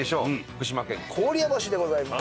福島県郡山市でございます！